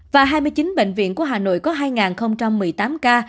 và hai mươi chín bệnh viện của hà nội có hai một mươi tám ca